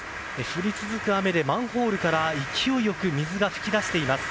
降り続く雨でマンホールから勢いよく水が噴き出しています。